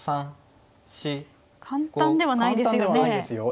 簡単ではないですよね。